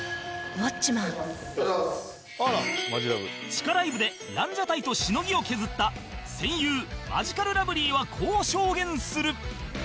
地下ライブでランジャタイとしのぎを削った戦友マヂカルラブリーはこう証言する！